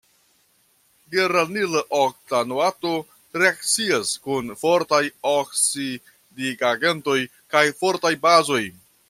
Geranila oktanoato reakcias kun fortaj oksidigagentoj kaj fortaj bazoj.